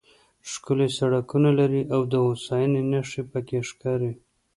ښکلي سړکونه لري او د هوساینې نښې پکې ښکاري.